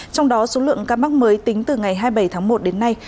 trong đó số lượng ca mắc mới tính từ ngày hai mươi bảy tháng một đến nay